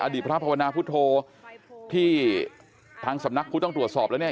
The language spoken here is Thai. อดีตพระพาวนาพุทธโภคที่ทางสำนักครูต้องตรวจสอบแล้วเนี่ย